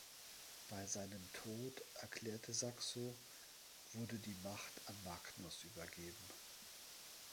"Bei seinem Tod", erklärte Saxo, "wurde die Macht an Magnus übergeben".